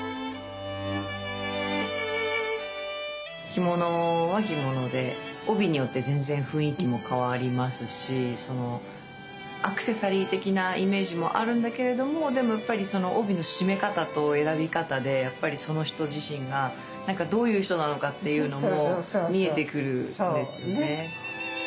着物は着物で帯によって全然雰囲気も変わりますしアクセサリー的なイメージもあるんだけれどもでもやっぱりその帯の締め方と選び方でその人自身がどういう人なのかっていうのも見えてくるんですよね。